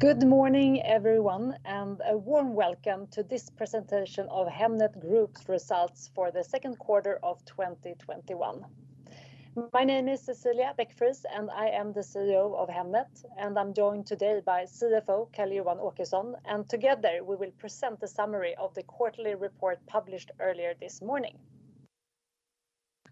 Good morning, everyone, and a warm welcome to this presentation of Hemnet Group's results for the Q2 of 2021. My name is Cecilia Beck-Friis. I am the CEO of Hemnet. I'm joined today by CFO Carl Johan Åkesson. Together we will present the summary of the quarterly report published earlier this morning.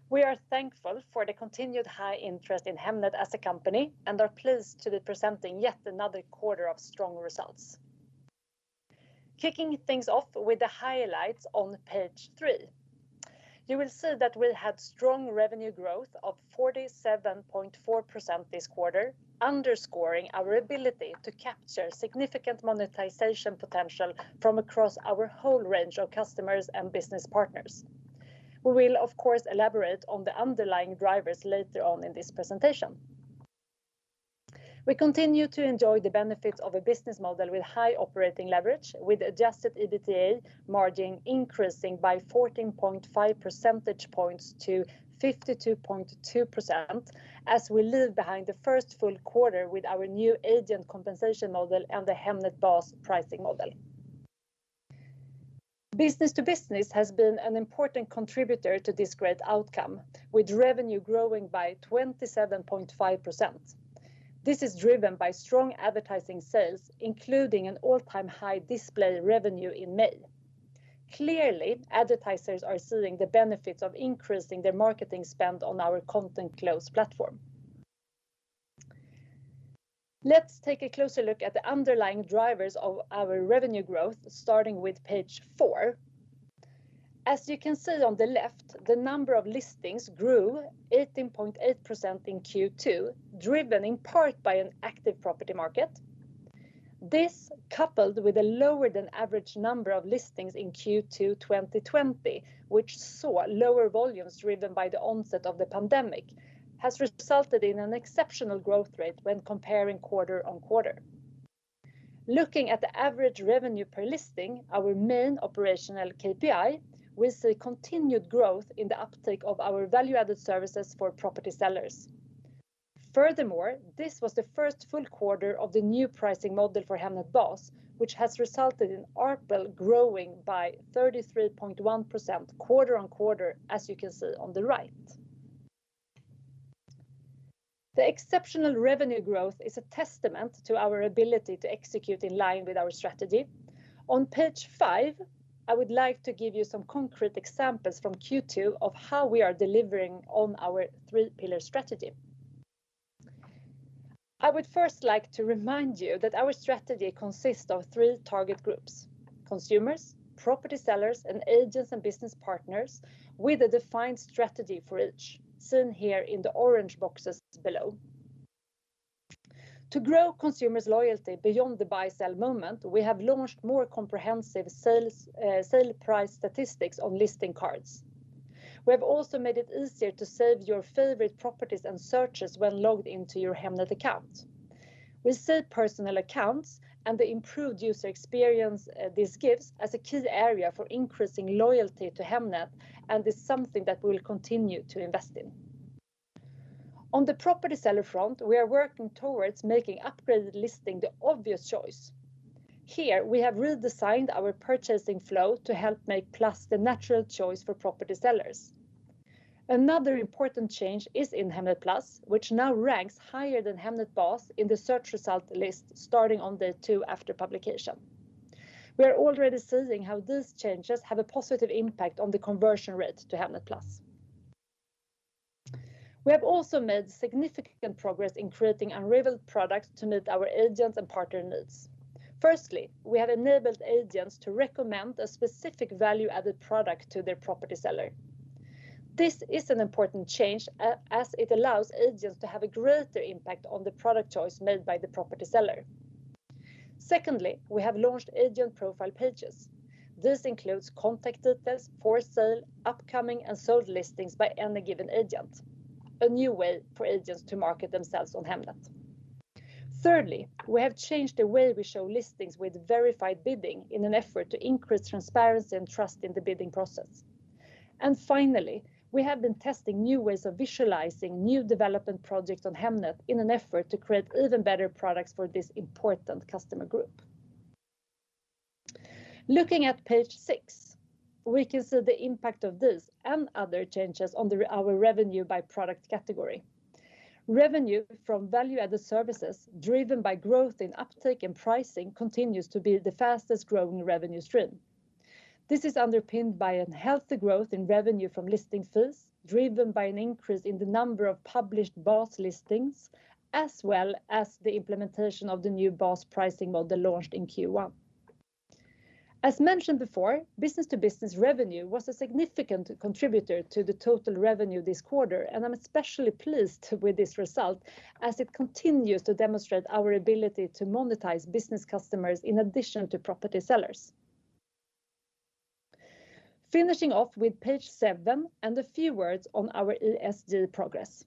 We are thankful for the continued high interest in Hemnet as a company and are pleased to be presenting yet another quarter of strong results. Kicking things off with the highlights on page three. You will see that we had strong revenue growth of 47.4% this quarter, underscoring our ability to capture significant monetization potential from across our whole range of customers and business partners. We will, of course, elaborate on the underlying drivers later on in this presentation. We continue to enjoy the benefits of a business model with high operating leverage, with adjusted EBITDA margin increasing by 14.5 percentage points to 52.2%, as we leave behind the first full quarter with our new agent compensation model and the Hemnet Bas pricing model. Business to business has been an important contributor to this great outcome, with revenue growing by 27.5%. This is driven by strong advertising sales, including an all-time high display revenue in May. Clearly, advertisers are seeing the benefits of increasing their marketing spend on our content-close platform. Let's take a closer look at the underlying drivers of our revenue growth, starting with page four. As you can see on the left, the number of listings grew 18.8% in Q2, driven in part by an active property market. This, coupled with a lower than average number of listings in Q2 2020, which saw lower volumes driven by the onset of the pandemic, has resulted in an exceptional growth rate when comparing quarter-on-quarter. Looking at the average revenue per listing, our main operational KPI, we see continued growth in the uptake of our value-added services for property sellers. Furthermore, this was the first full quarter of the new pricing model for Hemnet Bas, which has resulted in ARPL growing by 33.1% quarter-on-quarter, as you can see on the right. The exceptional revenue growth is a testament to our ability to execute in line with our strategy. On page five, I would like to give you some concrete examples from Q2 of how we are delivering on our three-pillar strategy. I would first like to remind you that our strategy consists of three target groups: consumers, property sellers, and agents and business partners, with a defined strategy for each, seen here in the orange boxes below. To grow consumers' loyalty beyond the buy sell moment, we have launched more comprehensive sale price statistics on listing cards. We have also made it easier to save your favorite properties and searches when logged into your Hemnet account. We see personal accounts and the improved user experience this gives as a key area for increasing loyalty to Hemnet, and is something that we'll continue to invest in. On the property seller front, we are working towards making upgraded listing the obvious choice. Here, we have redesigned our purchasing flow to help make Plus the natural choice for property sellers. Another important change is in Hemnet Plus, which now ranks higher than Hemnet Bas in the search result list, starting on day two after publication. We are already seeing how these changes have a positive impact on the conversion rate to Hemnet Plus. We have also made significant progress in creating unrivaled products to meet our agents' and partners' needs. Firstly, we have enabled agents to recommend a specific value-added product to their property seller. This is an important change, as it allows agents to have a greater impact on the product choice made by the property seller. Secondly, we have launched agent profile pages. This includes contact details, for sale, upcoming, and sold listings by any given agent. A new way for agents to market themselves on Hemnet. Thirdly, we have changed the way we show listings with verified bidding in an effort to increase transparency and trust in the bidding process. Finally, we have been testing new ways of visualizing new development projects on Hemnet in an effort to create even better products for this important customer group. Looking at page six, we can see the impact of this and other changes on our revenue by product category. Revenue from value-added services, driven by growth in uptake and pricing, continues to be the fastest-growing revenue stream. This is underpinned by a healthy growth in revenue from listing fees, driven by an increase in the number of published Bas listings, as well as the implementation of the new Bas pricing model launched in Q1. As mentioned before, business-to-business revenue was a significant contributor to the total revenue this quarter. I'm especially pleased with this result, as it continues to demonstrate our ability to monetize business customers in addition to property sellers. Finishing off with page seven and a few words on our ESG progress.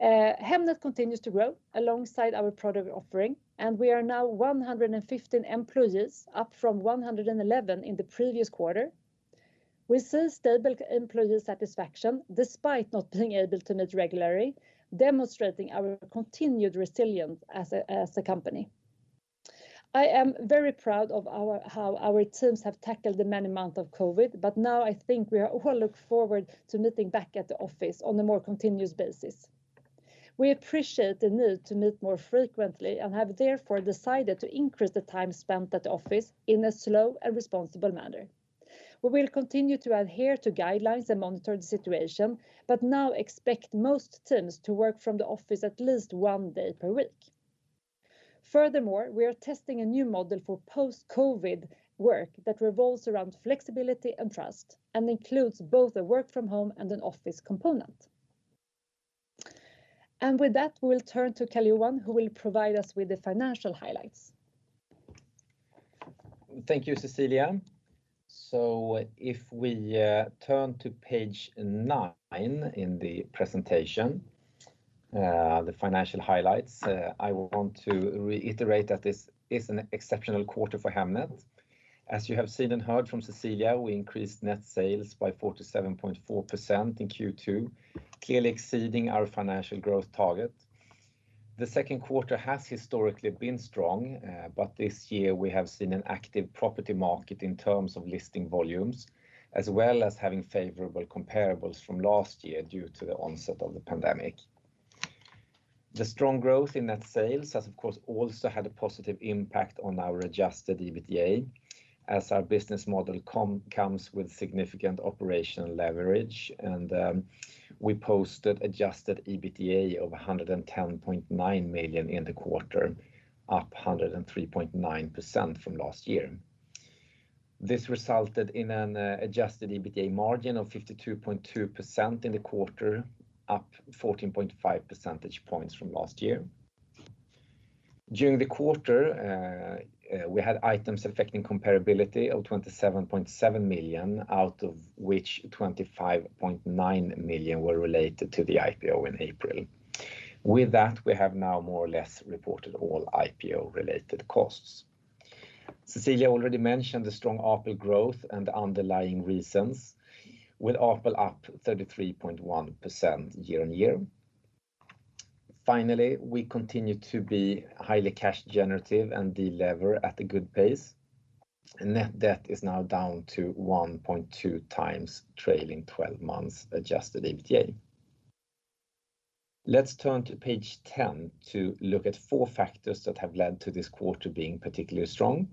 Hemnet continues to grow alongside our product offering. We are now 115 employees, up from 111 in the previous quarter. We see stable employee satisfaction despite not being able to meet regularly, demonstrating our continued resilience as a company. I am very proud of how our teams have tackled the many months of COVID. Now I think we all look forward to meeting back at the office on a more continuous basis. We appreciate the need to meet more frequently and have therefore decided to increase the time spent at the office in a slow and responsible manner. We will continue to adhere to guidelines and monitor the situation, but now expect most teams to work from the office at least one day per week. Furthermore, we are testing a new model for post-COVID work that revolves around flexibility and trust and includes both a work from home and an office component. With that, we'll turn to Carl Johan, who will provide us with the financial highlights. Thank you, Cecilia. If we turn to page nine in the presentation, the financial highlights, I want to reiterate that this is an exceptional quarter for Hemnet. As you have seen and heard from Cecilia, we increased net sales by 47.4% in Q2, clearly exceeding our financial growth target. The Q2 has historically been strong. This year we have seen an active property market in terms of listing volumes, as well as having favorable comparables from last year due to the onset of the pandemic. The strong growth in net sales has of course also had a positive impact on our adjusted EBITDA, as our business model comes with significant operational leverage, and we posted adjusted EBITDA of 110.9 million in the quarter, up 103.9% from last year. This resulted in an adjusted EBITDA margin of 52.2% in the quarter, up 14.5 percentage points from last year. During the quarter, we had items affecting comparability of 27.7 million, out of which 25.9 million were related to the IPO in April. We have now more or less reported all IPO-related costs. Cecilia already mentioned the strong ARPL growth and underlying reasons, with ARPL up 33.1% year-on-year. We continue to be highly cash generative and delever at a good pace. Net debt is now down to 1.2x trailing 12 months adjusted EBITDA. Let's turn to page 10 to look at four factors that have led to this quarter being particularly strong.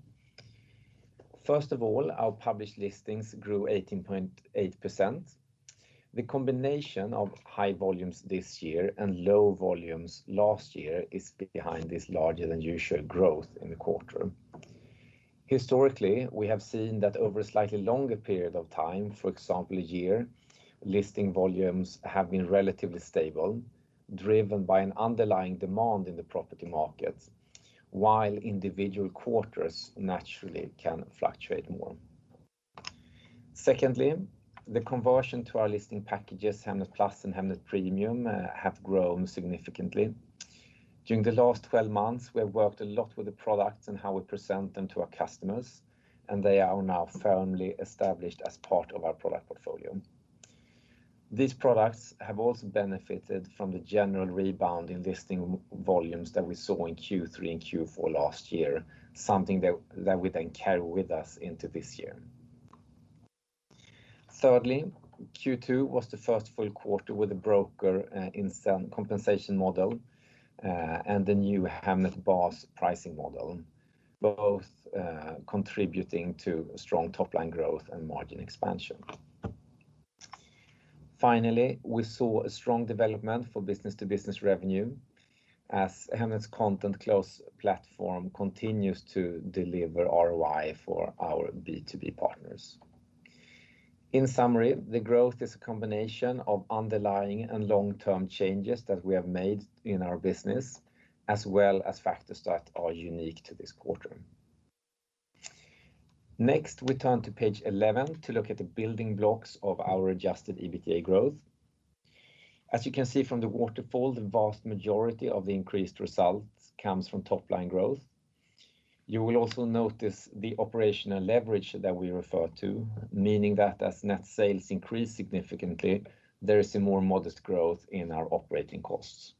First of all, our published listings grew 18.8%. The combination of high volumes this year and low volumes last year is behind this larger than usual growth in the quarter. Historically, we have seen that over a slightly longer period of time, for example, a year, listing volumes have been relatively stable, driven by an underlying demand in the property market, while individual quarters naturally can fluctuate more. Secondly, the conversion to our listing packages, Hemnet Plus and Hemnet Premium, have grown significantly. During the last 12 months, we have worked a lot with the products and how we present them to our customers, and they are now firmly established as part of our product portfolio. These products have also benefited from the general rebound in listing volumes that we saw in Q3 and Q4 last year, something that we then carry with us into this year. Thirdly, Q2 was the first full quarter with a broker incentive compensation model, and the new Hemnet Bas pricing model, both contributing to strong top-line growth and margin expansion. Finally, we saw a strong development for business-to-business revenue as Hemnet's content-close platform continues to deliver ROI for our B2B partners. In summary, the growth is a combination of underlying and long-term changes that we have made in our business, as well as factors that are unique to this quarter. Next, we turn to page 11 to look at the building blocks of our adjusted EBITDA growth. As you can see from the waterfall, the vast majority of the increased results comes from top-line growth. You will also notice the operational leverage that we refer to, meaning that as net sales increase significantly, there is a more modest growth in our operating costs.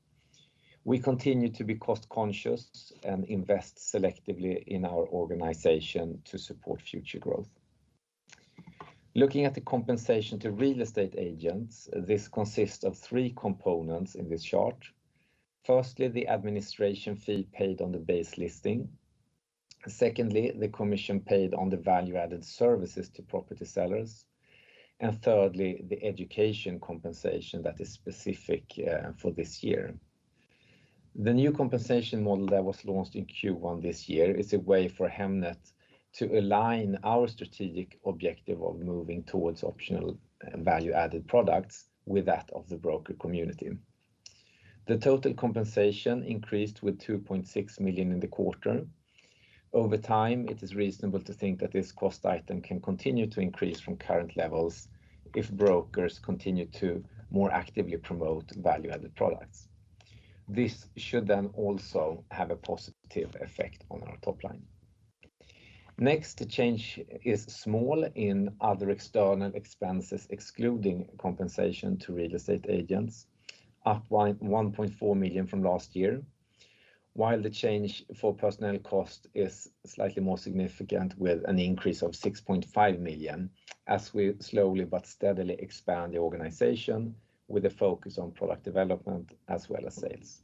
We continue to be cost conscious and invest selectively in our organization to support future growth. Looking at the compensation to real estate agents, this consists of three components in this chart. Firstly, the administration fee paid on the base listing. Secondly, the commission paid on the value-added services to property sellers. Thirdly, the education compensation that is specific for this year. The new compensation model that was launched in Q1 this year is a way for Hemnet to align our strategic objective of moving towards optional and value-added products with that of the broker community. The total compensation increased with 2.6 million in the quarter. Over time, it is reasonable to think that this cost item can continue to increase from current levels if brokers continue to more actively promote value-added products. This should then also have a positive effect on our top line. Next change is small in other external expenses, excluding compensation to real estate agents, up 1.4 million from last year, while the change for personnel cost is slightly more significant with an increase of 6.5 million, as we slowly but steadily expand the organization with a focus on product development as well as sales.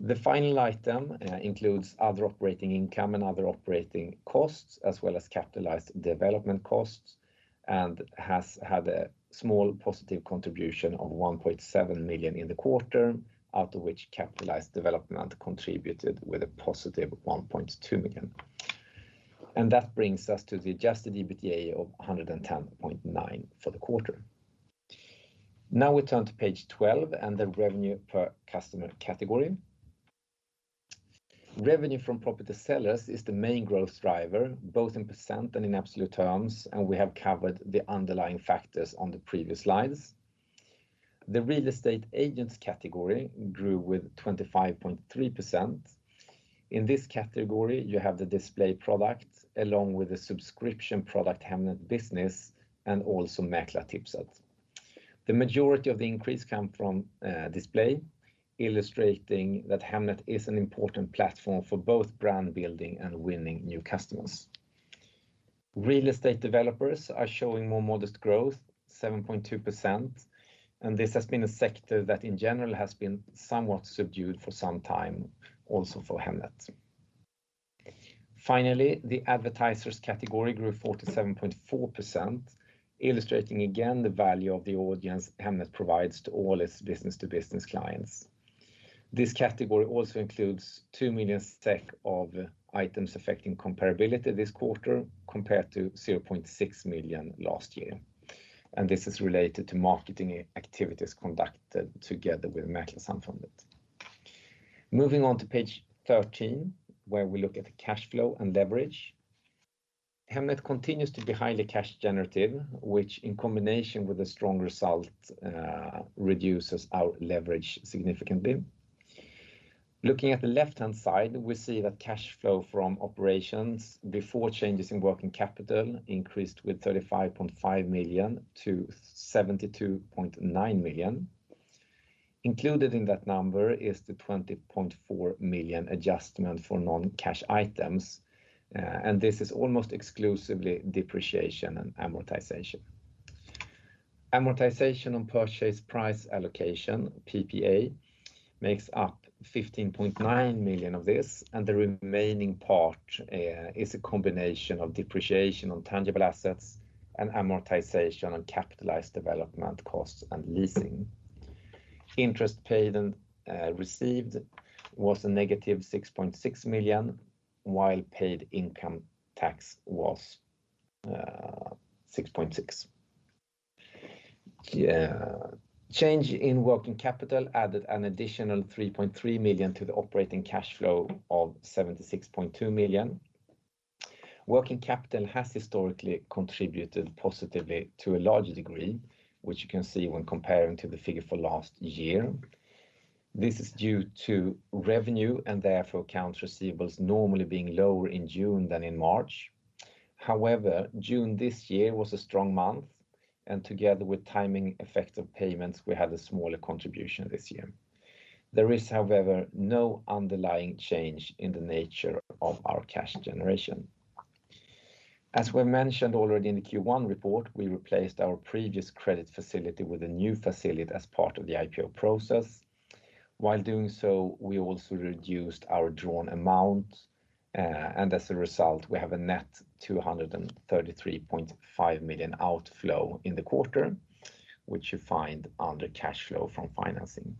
The final item includes other operating income and other operating costs, as well as capitalized development costs, and has had a small positive contribution of 1.7 million in the quarter, out of which capitalized development contributed with a positive 1.2 million. That brings us to the adjusted EBITDA of 110.9 for the quarter. We turn to page 12 and the revenue per customer category. Revenue from property sellers is the main growth driver, both in percent and in absolute terms, and we have covered the underlying factors on the previous slides. The real estate agents category grew with 25.3%. In this category, you have the display product along with the subscription product, Hemnet Business, and also Mäklartipset. The majority of the increase come from display, illustrating that Hemnet is an important platform for both brand building and winning new customers. Real estate developers are showing more modest growth, 7.2%, and this has been a sector that in general has been somewhat subdued for some time, also for Hemnet. Finally, the advertisers category grew 47.4%, illustrating again the value of the audience Hemnet provides to all its business-to-business clients. This category also includes 2 million of items affecting comparability this quarter, compared to 0.6 million last year. This is related to marketing activities conducted together with Mäklarsamfundet. Moving on to page 13, where we look at the cash flow and leverage. Hemnet continues to be highly cash generative, which in combination with a strong result, reduces our leverage significantly. Looking at the left-hand side, we see that cash flow from operations before changes in working capital increased with 35.5 million to 72.9 million. Included in that number is the 20.4 million adjustment for non-cash items, and this is almost exclusively depreciation and amortization. Amortization on purchase price allocation, PPA, makes up 15.9 million of this, and the remaining part is a combination of depreciation on tangible assets and amortization on capitalized development costs and leasing. Interest paid and received was a negative 6.6 million, while paid income tax was 6.6. Change in working capital added an additional 3.3 million to the operating cash flow of 76.2 million. Working capital has historically contributed positively to a large degree, which you can see when comparing to the figure for last year. This is due to revenue and therefore account receivables normally being lower in June than in March. However, June this year was a strong month, and together with timing effect of payments, we had a smaller contribution this year. There is, however, no underlying change in the nature of our cash generation. As we mentioned already in the Q1 report, we replaced our previous credit facility with a new facility as part of the IPO process. While doing so, we also reduced our drawn amount, and as a result, we have a net 233.5 million outflow in the quarter, which you find under cash flow from financing.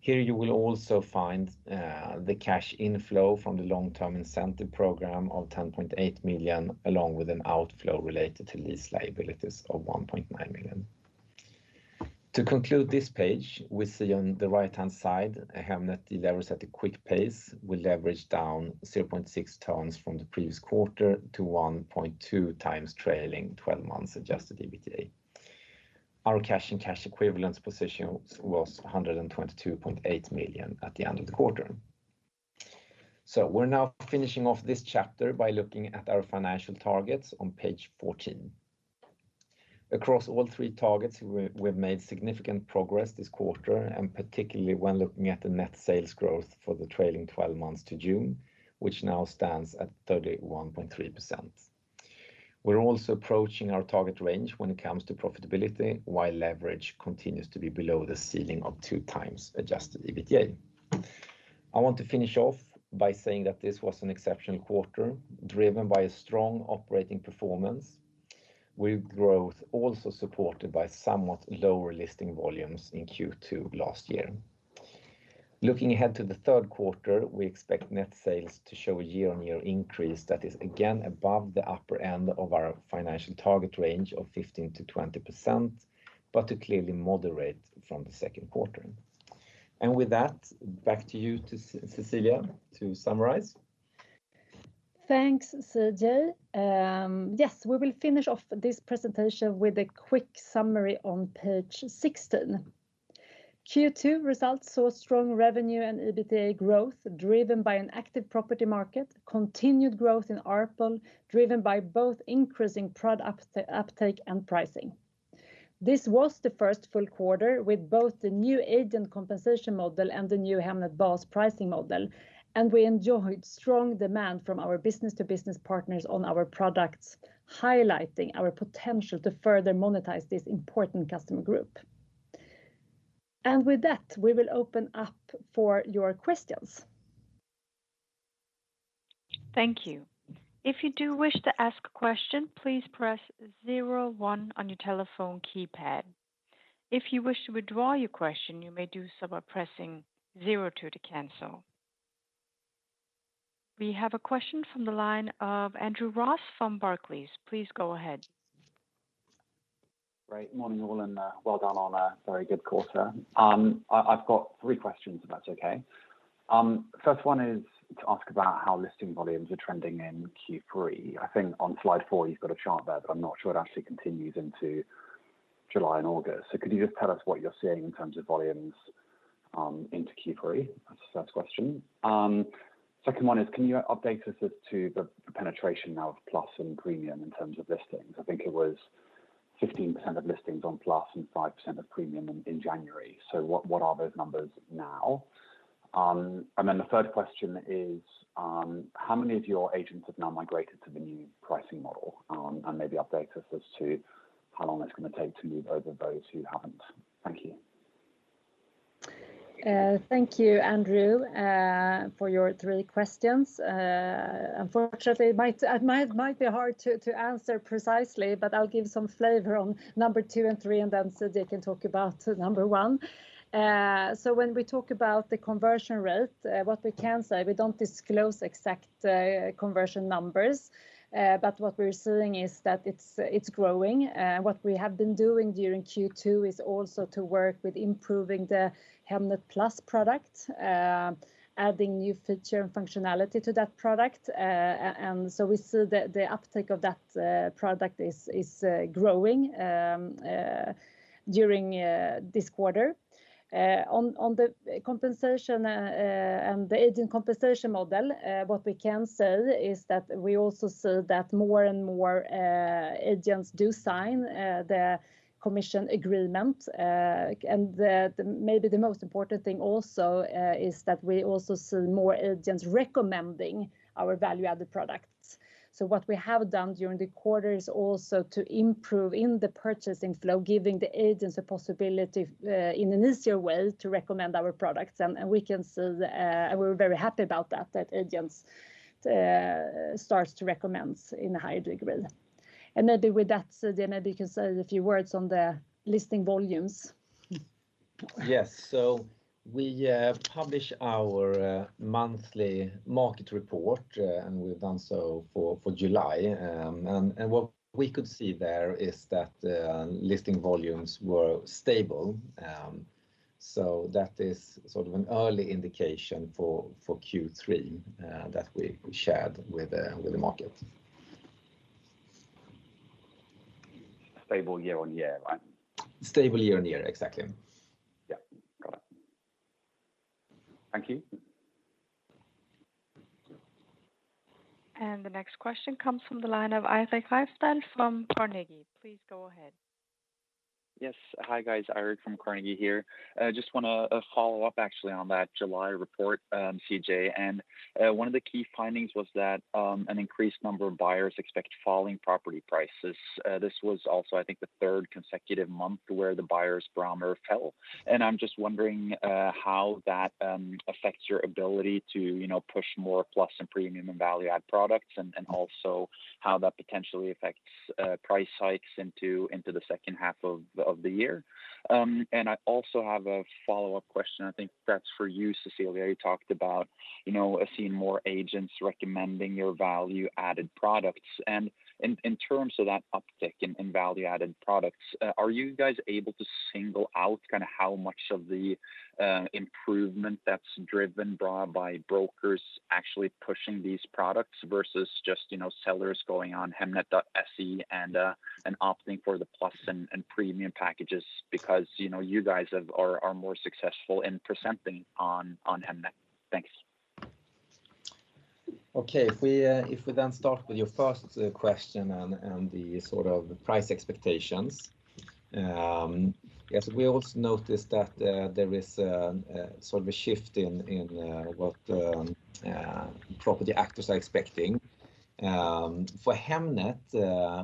Here you will also find the cash inflow from the long-term incentive program of 10.8 million, along with an outflow related to lease liabilities of 1.9 million. To conclude this page, we see on the right-hand side, Hemnet de-leverages at a quick pace. We leveraged down 0.6 tons from the previous quarter to 1.2x trailing 12 months adjusted EBITDA. Our cash and cash equivalents position was 122.8 million at the end of the quarter. We're now finishing off this chapter by looking at our financial targets on page 14. Across all three targets, we've made significant progress this quarter, and particularly when looking at the net sales growth for the trailing 12 months to June, which now stands at 31.3%. We're also approaching our target range when it comes to profitability, while leverage continues to be below the ceiling of 2x adjusted EBITDA. I want to finish off by saying that this was an exceptional quarter, driven by a strong operating performance, with growth also supported by somewhat lower listing volumes in Q2 last year. Looking ahead to the Q3, we expect net sales to show a year-on-year increase that is again above the upper end of our financial target range of 15%-20%, but to clearly moderate from the Q2. With that, back to you, Cecilia, to summarize. Thanks, CJ. Yes, we will finish off this presentation with a quick summary on page 16. Q2 results saw strong revenue and EBITDA growth driven by an active property market, continued growth in ARPL, driven by both increasing product uptake and pricing. This was the first full quarter with both the new agent compensation model and the new Hemnet Bas pricing model. We enjoyed strong demand from our business-to-business partners on our products, highlighting our potential to further monetize this important customer group. With that, we will open up for your questions. Thank you. If you do wish to ask a question, please press 01 on your telephone keypad. If you wish to withdraw your question, you may do so by pressing 02 to cancel. We have a question from the line of Andrew Ross from Barclays. Please go ahead. Great. Morning, all, and well done on a very good quarter. I've got three questions, if that's okay. First one is to ask about how listing volumes are trending in Q3. I think on slide four, you've got a chart there, but I'm not sure it actually continues into July and August. Could you just tell us what you're seeing in terms of volumes into Q3? That's the first question. Second one is can you update us as to the penetration now of Plus and Premium in terms of listings? I think it was 15% of listings on Plus and 5% of Premium in January. What are those numbers now? The third question is, how many of your agents have now migrated to the new pricing model? Maybe update us as to how long it's going to take to move over those who haven't. Thank you. Thank you, Andrew, for your three questions. Unfortunately, it might be hard to answer precisely, but I'll give some flavor on number two and three, then CJ can talk about number one. When we talk about the conversion rate, what we can say, we do not disclose exact conversion numbers. What we're seeing is that it's growing. What we have been doing during Q2 is also to work with improving the Hemnet Plus product, adding new feature and functionality to that product. We see that the uptake of that product is growing during this quarter. On the agent compensation model, what we can say is that we also see that more and more agents do sign the commission agreement. Maybe the most important thing also is that we also see more agents recommending our value-added products. What we have done during the quarter is also to improve in the purchasing flow, giving the agents a possibility in an easier way to recommend our products. We're very happy about that agents start to recommend in a high degree. Maybe with that, CJ, maybe you can say a few words on the listing volumes. Yes. We publish our monthly market report, and we've done so for July. What we could see there is that listing volumes were stable. That is sort of an early indication for Q3 that we shared with the market. Stable year-on-year, right? Stable year-on-year, exactly. Yeah. Got it. Thank you. The next question comes from the line of Isak Hjälfsten from Carnegie. Please go ahead. Yes. Hi, guys. Isak from Carnegie here. Just want to follow up actually on that July report, CJ. One of the key findings was that an increased number of buyers expect falling property prices. This was also, I think, the third consecutive month where the buyers' barometer fell. I'm just wondering how that affects your ability to push more Plus and Premium and value-add products, and also how that potentially affects price hikes into the H2 of the year. I also have a follow-up question. I think that's for you, Cecilia. You talked about seeing more agents recommending your value-added products. In terms of that uptick in value-added products, are you guys able to single out how much of the improvement that's driven by brokers actually pushing these products versus just sellers going on Hemnet.se and opting for the Plus and Premium packages because you guys are more successful in presenting on Hemnet? Thanks. If we then start with your first question on the price expectations. Yes, we also noticed that there is sort of a shift in what property actors are expecting. For Hemnet,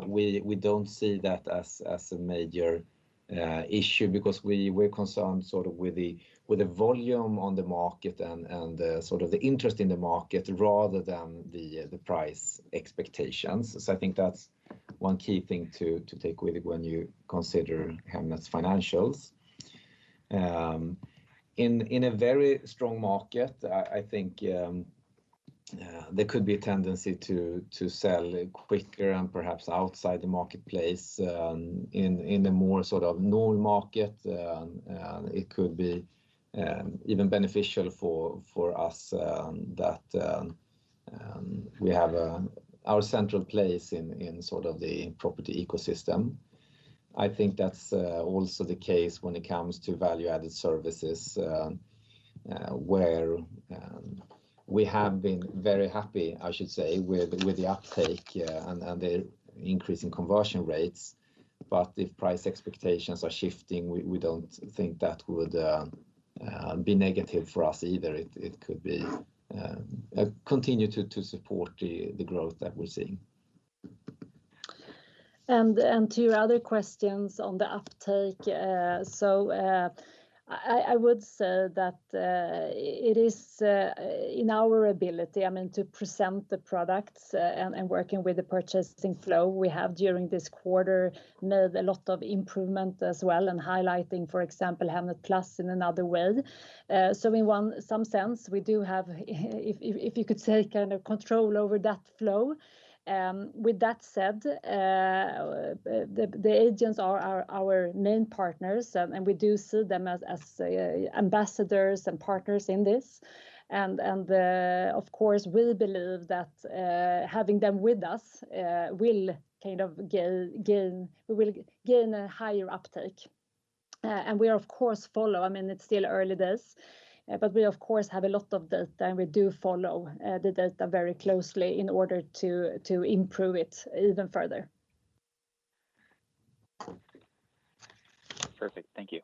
we don't see that as a major issue because we're concerned sort of with the volume on the market and the interest in the market rather than the price expectations. I think that's one key thing to take with you when you consider Hemnet's financials. In a very strong market, I think there could be a tendency to sell quicker and perhaps outside the marketplace. In a more sort of normal market, it could be even beneficial for us that we have our central place in the property ecosystem. I think that's also the case when it comes to value-added services, where we have been very happy, I should say, with the uptake and the increase in conversion rates. If price expectations are shifting, we don't think that would be negative for us either. It could continue to support the growth that we're seeing. To your other questions on the uptake. I would say that it is in our ability to present the products and working with the purchasing flow we have during this quarter, made a lot of improvement as well, and highlighting, for example, Hemnet Plus in another way. In some sense, we do have, if you could say, control over that flow. With that said, the agents are our main partners, and we do see them as ambassadors and partners in this. Of course, we believe that having them with us will gain a higher uptake. We of course follow. It's still early days, but we of course have a lot of data, and we do follow the data very closely in order to improve it even further. Perfect. Thank you.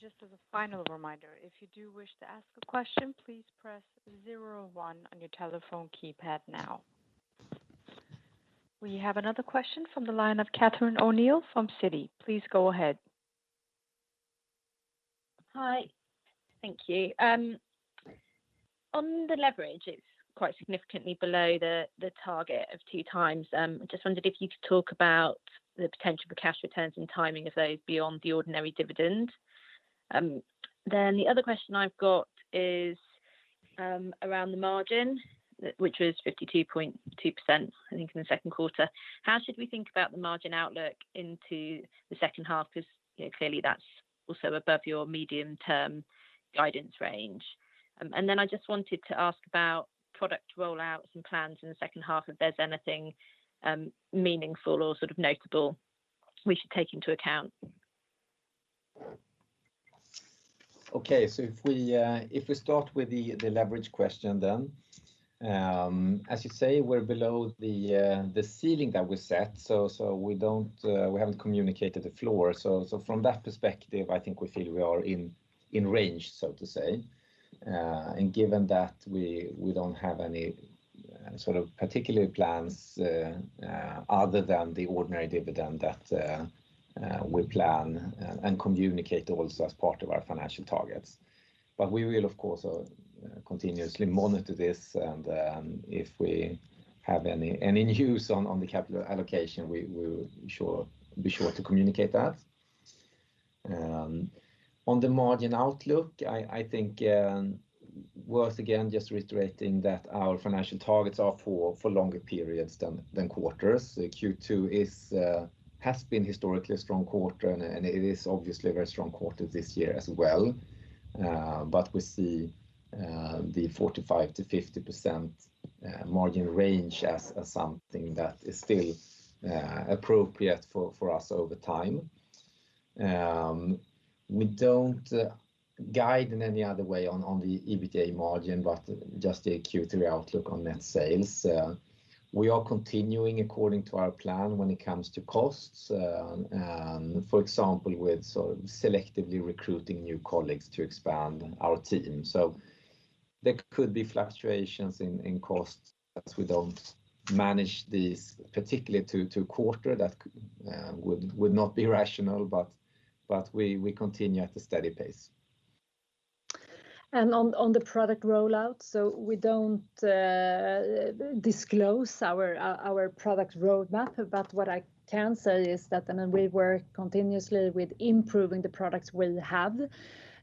Just as a final reminder, if you do wish to ask a question, please press 01 on your telephone keypad now. We have another question from the line of Catherine O'Neill from Citi. Please go ahead. Hi. Thank you. On the leverage, it's quite significantly below the target of 2x. Just wondered if you could talk about the potential for cash returns and timing of those beyond the ordinary dividend. The other question I've got is around the margin, which was 52.2%, I think, in the Q2. How should we think about the margin outlook into the H2? Because clearly that's also above your medium-term guidance range. I just wanted to ask about product rollouts and plans in the H2, if there's anything meaningful or notable we should take into account. Okay. If we start with the leverage question then. As you say, we're below the ceiling that we set. We haven't communicated the floor. From that perspective, I think we feel we are in range, so to say. Given that we don't have any particular plans other than the ordinary dividend that we plan and communicate also as part of our financial targets. We will, of course, continuously monitor this, and if we have any news on the capital allocation, we will be sure to communicate that. On the margin outlook, I think worth, again, just reiterating that our financial targets are for longer periods than quarters. Q2 has been historically a strong quarter, and it is obviously a very strong quarter this year as well. We see the 45%-50% margin range as something that is still appropriate for us over time. We don't guide in any other way on the EBITDA margin, but just the Q3 outlook on net sales. We are continuing according to our plan when it comes to costs. For example, with selectively recruiting new colleagues to expand our team. There could be fluctuations in costs as we don't manage these, particularly to quarter, that would not be rational, but we continue at a steady pace. On the product rollout, we don't disclose our product roadmap. What I can say is that we work continuously with improving the products we have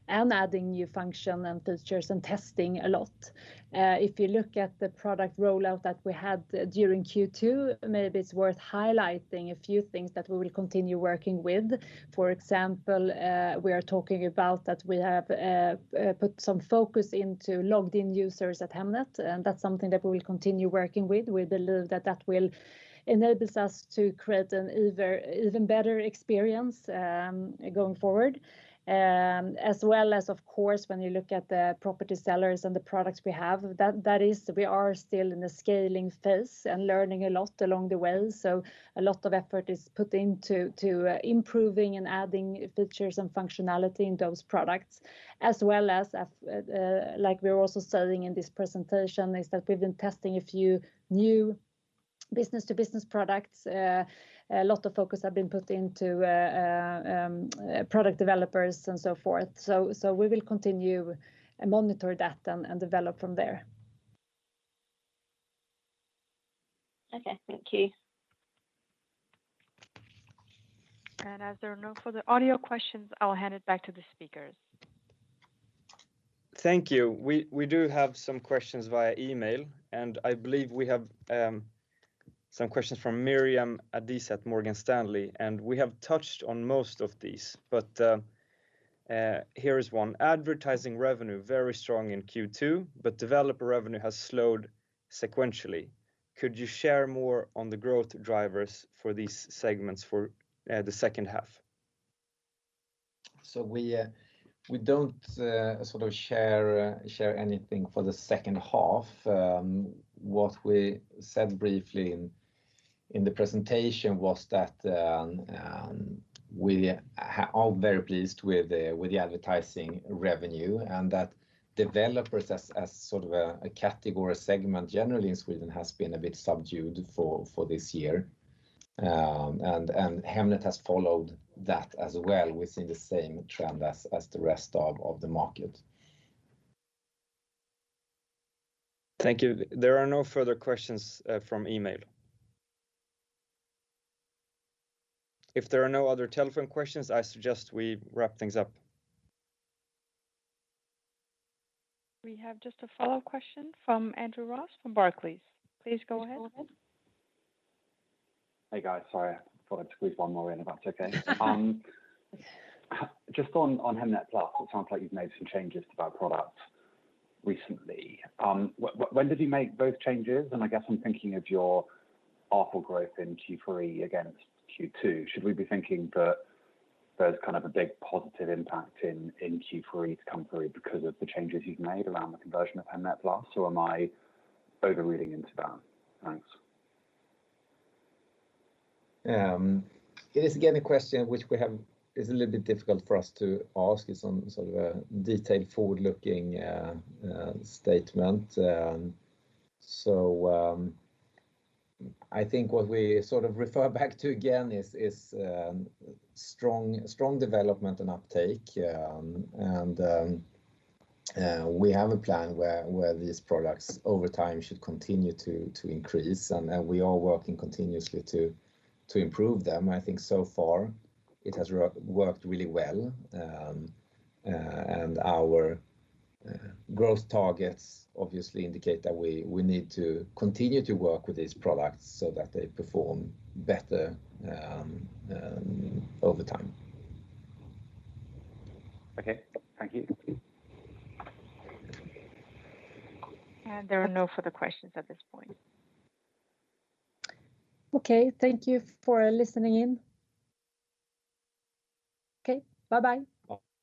and adding new function and features and testing a lot. If you look at the product rollout that we had during Q2, maybe it's worth highlighting a few things that we will continue working with. For example, we are talking about that we have put some focus into logged-in users at Hemnet, and that's something that we will continue working with. We believe that that will enable us to create an even better experience going forward. As well as, of course, when you look at the property sellers and the products we have, we are still in the scaling phase and learning a lot along the way. A lot of effort is put into improving and adding features and functionality in those products. As well as, like we were also saying in this presentation, is that we've been testing a few new business-to-business products. A lot of focus has been put into product developers and so forth. We will continue and monitor that and develop from there. Okay. Thank you. As there are no further audio questions, I'll hand it back to the speakers. Thank you. We do have some questions via email. I believe we have some questions from Miriam Adisa at Morgan Stanley. We have touched on most of these. Here is one. Advertising revenue, very strong in Q2. Developer revenue has slowed sequentially. Could you share more on the growth drivers for these segments for the H2? We don't share anything for the H2. What we said briefly in the presentation was that we are very pleased with the advertising revenue and that developers as a category segment generally in Sweden has been a bit subdued for this year. Hemnet has followed that as well within the same trend as the rest of the market. Thank you. There are no further questions from email. If there are no other telephone questions, I suggest we wrap things up. We have just a follow-up question from Andrew Ross from Barclays. Please go ahead. Hey, guys. Sorry. Thought I'd squeeze one more in, if that's okay. Just on Hemnet Plus, it sounds like you've made some changes to that product recently. When did you make those changes? I guess I'm thinking of your ARPL growth in Q3 against Q2. Should we be thinking that there's a big positive impact in Q3 compared because of the changes you've made around the conversion of Hemnet Plus, or am I overreading into that? Thanks. It is, again, a question which is a little bit difficult for us to ask in some sort of a detailed forward-looking statement. I think what we refer back to again is strong development and uptake. We have a plan where these products over time should continue to increase, and we are working continuously to improve them. I think so far it has worked really well. Our growth targets obviously indicate that we need to continue to work with these products so that they perform better over time. Okay. Thank you. There are no further questions at this point. Okay. Thank you for listening in. Okay. Bye.